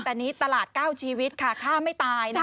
แต่นี้ตลาดเก้าชีวิตค่ะค่าไม่ตายนะ